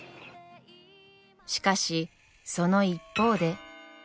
しかしその一方で。